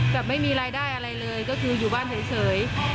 แบบไม่มีรายได้อะไรเลยก็คืออยู่บ้านเฉย